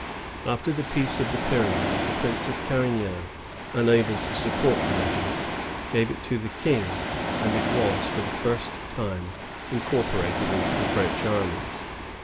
After the peace of the Pyrenees, the Prince of Garignan, unable to support the regiment, gave it to the King, and it was, for the first time, incorporated into the French armies.